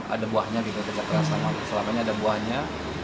ada buahnya gitu kerja kerasa selamanya ada buahnya